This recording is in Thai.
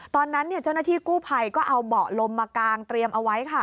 ตอนนั้นเจ้าหน้าที่กู้ภัยก็เอาเบาะลมมากางเตรียมเอาไว้ค่ะ